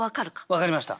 分かりました。